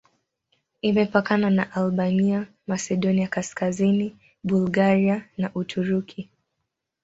Imepakana na Albania, Masedonia Kaskazini, Bulgaria na Uturuki.